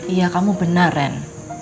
iya kamu benar ren